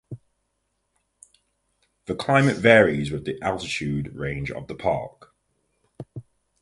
The climate varies with the altitudinal range of the park.